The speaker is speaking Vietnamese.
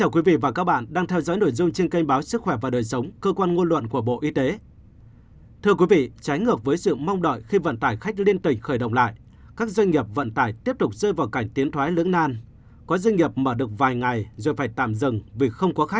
các bạn hãy đăng ký kênh để ủng hộ kênh của chúng mình nhé